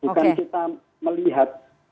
bukan kita melihat